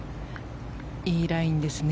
いいラインですね。